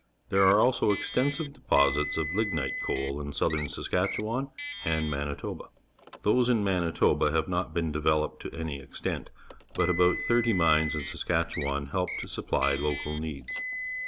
There are also extensive deposits of lignite coa l in southern Saskatchewan and Manitoba. Those in Manitoba have not been developed to any extent, but about thirty mines in Saskatchewan help to supplj local needs.